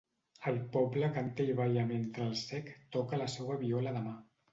El poble canta i balla mentre el cec toca la seua viola de mà.